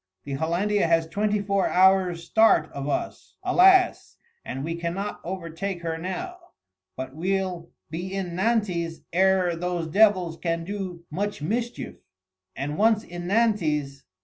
The Hollandia has twenty four hours' start of us, alas! and we cannot overtake her now: but we'll be in Nantes ere those devils can do much mischief: and once in Nantes!...